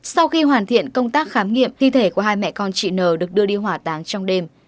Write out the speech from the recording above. sau khi hoàn thiện công tác khám nghiệm thi thể của hai mẹ con chị n được đưa đi hỏa táng trong đêm